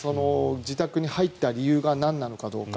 自宅に入った理由がなんなのかどうか。